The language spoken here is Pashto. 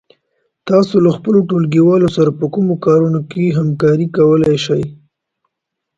تاسو له خپلو ټولگيوالو سره په کومو کارونو کې همکاري کولای شئ؟